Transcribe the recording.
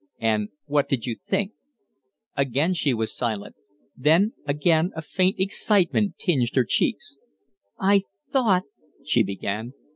"And what did you think?" Again she was silent; then again a faint excitement tinged her cheeks. "I thought " she began.